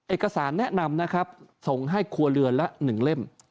เอกสารแนะนำนะครับส่งให้ครัวเรือนละ๑เล่ม